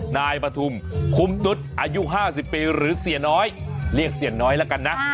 นายปฐุมคุ้มตุ๊ดอายุ๕๐ปีหรือเสียน้อยเรียกเสียน้อยแล้วกันนะ